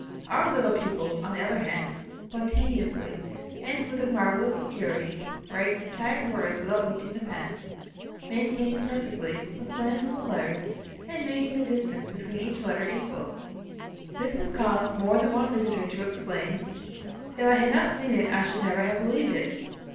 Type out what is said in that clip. Our little pupils, on the other hand, spontaneously, and with a marvellous security, write entire words without lifting the pen, maintaining perfectly the slant of the letters, and making the distance between each letter equal This has caused more than one visitor to exclaim, "If I had not seen it I should never have believed it."